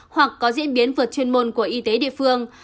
hoặc có diễn biến vượt chuyên môn của y tế địa phương